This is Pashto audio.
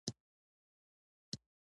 غوا د انساني ژوند لپاره اړینه ده.